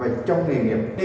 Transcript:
và trong nghề nghiệp